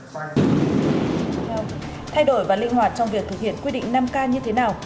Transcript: thay đổi và linh hoạt trong việc thực hiện quy định năm k như thế nào